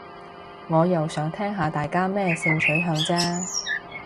我又想聽下大家咩性取向啫